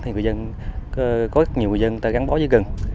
thì có nhiều người dân gắn bó với gần